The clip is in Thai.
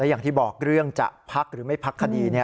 อย่างที่บอกเรื่องจะพักหรือไม่พักคดี